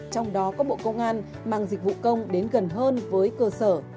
trong đó có bộ công an mang dịch vụ công đến gần hơn với cơ sở